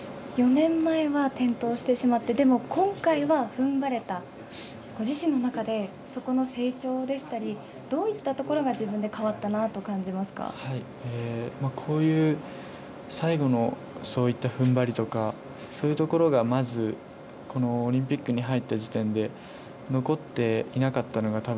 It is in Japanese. ４年前は転倒してしまって、でも今回はふんばれた、ご自身の中でそこの成長でしたり、どういったところが自分で変わったなとこういう最後のそういったふんばりとか、そういうところがまず、このオリンピックに入った時点で、残っていなかったのが、